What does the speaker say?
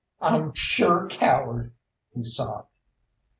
"I'm a sure coward," he sobbed.